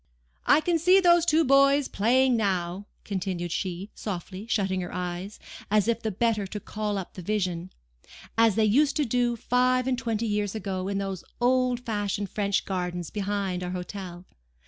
"I can see those two boys playing now," continued she, softly, shutting her eyes, as if the better to call up the vision, "as they used to do five and twenty years ago in those old fashioned French gardens behind our hotel.